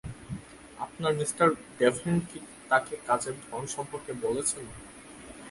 আপনার mister Devlin কি তাকে কাজের ধরন সম্পর্কে বলেছেন?